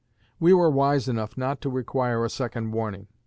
We were wise enough not to require a second warning.